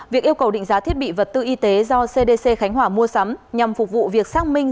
việc yêu cầu định giá thiết bị vật tư y tế do cdc khánh hòa mua sắm nhằm phục vụ việc xác minh